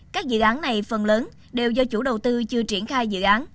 các dự án này phần lớn đều do chủ đầu tư chưa triển khai dự án